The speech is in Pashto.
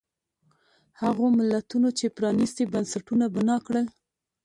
هغو ملتونو چې پرانیستي بنسټونه بنا کړل.